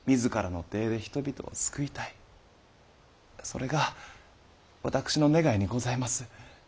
それが私の願いにございます。